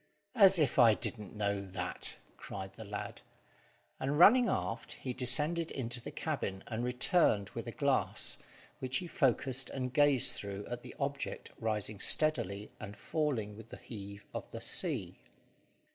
"As if I didn't know that," cried the lad; and, running aft, he descended into the cabin, and returned with a glass, which he focussed and gazed through at the object rising steadily and falling with the heave of the sea.